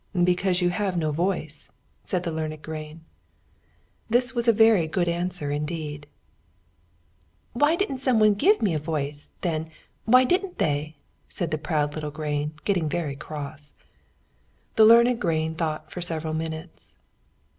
"Because you have no voice," said the learned grain. This was a very good answer indeed. "Why didn't someone give me a voice, then why didn't they?" said the proud little grain, getting very cross. The learned grain thought for several minutes.